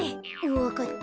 わかった。